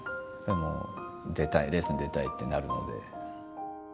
出たいレースに出たいってなるので。